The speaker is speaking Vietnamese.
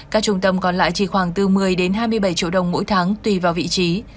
các trung tâm còn lại chỉ khoảng bốn mươi hai mươi bảy triệu đồng mỗi tháng tùy vào vị trí